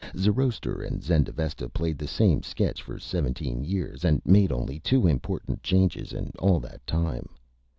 Zoroaster and Zendavesta played the same Sketch for Seventeen Years and made only two important Changes in all that Time.